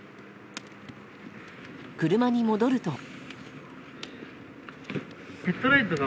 車に戻ると。